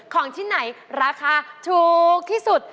ของที่ไหนราคาถูกที่สุด